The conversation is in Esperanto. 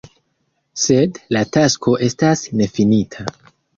Sed la tasko estas nefinita.